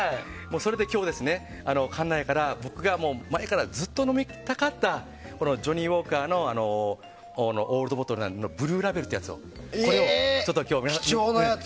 それで今日、館内の僕がずっと前から飲みたかったジョニーウォーカーのオールドボトルのブルーラベルというやつを今日、皆さんと。